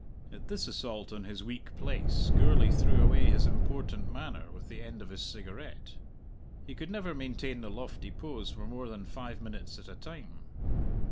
At this assault on his weak place Gourlay threw away his important manner with the end of his cigarette. He could never maintain the lofty pose for more than five minutes at a time.